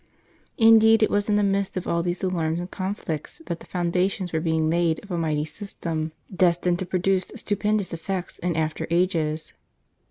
Indeed it was in the midst of all these alarms and conflicts, that the foundations were being laid of a mighty system, destined to produce stupendous effects in after ages.